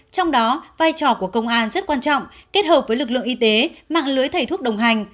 trong đó vai trò của công an rất quan trọng kết hợp với lực lượng y tế mạng lưới thầy thuốc đồng hành